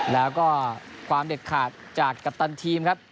แล้วก็ความเด็ดขาดจากกัปตันทีมครับ